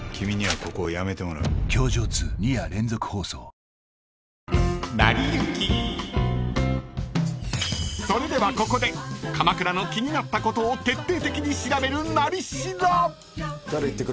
三ツ矢サイダー』［それではここで鎌倉の気になったことを徹底的に調べる「なり調」］